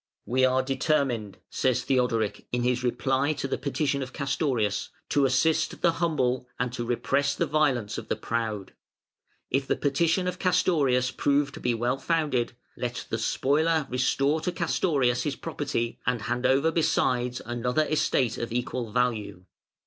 "We are determined", says Theodoric, in his reply to the petition of Castorius, "to assist the humble and to repress the violence of the proud. If the petition of Castorius prove to be well founded, let the spoiler restore to Castorius his property and hand over besides another estate of equal value.